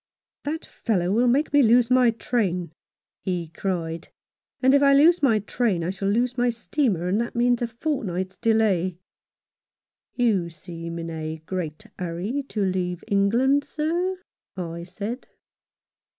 " That fellow will make me lose my train," he cried, "and if I lose my train I shall lose my steamer, and that means a fortnight's delay." "You seem in a great hurry to leave England, sir," I said.